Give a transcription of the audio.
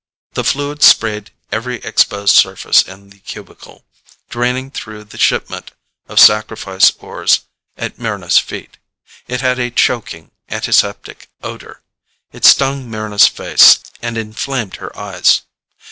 The fluid sprayed every exposed surface in the cubicle, draining through the shipment of sacrifice ores at Mryna's feet. It had a choking, antiseptic odor; it stung Mryna's face and inflamed her eyes.